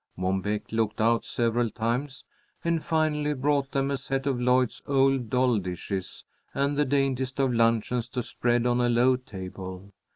Mom Beck looked out several times, and finally brought them a set of Lloyd's old doll dishes and the daintiest of luncheons to spread on a low table.